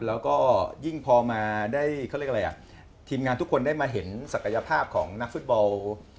แล้วก็ยิ่งพอมาได้เขาเรียกอะไรอ่ะทีมงานทุกคนได้มาเห็นศักยภาพของนักฟุตบอล